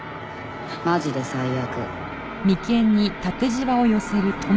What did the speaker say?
マジで最悪」